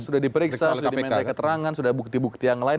sudah diperiksa sudah diminta keterangan sudah bukti bukti yang lain